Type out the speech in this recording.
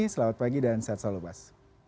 selamat pagi dan sehat selalu mas